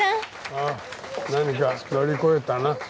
ああ何か乗り越えたな。